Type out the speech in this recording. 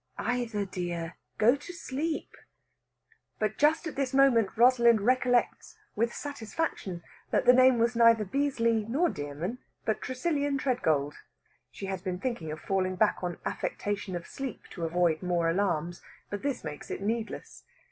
"Either, dear. Go to sleep." But just at this moment Rosalind recollects with satisfaction that the name was neither Beazley nor Dearman, but Tressilian Tredgold. She has been thinking of falling back on affectation of sleep to avoid more alarms, but this makes it needless.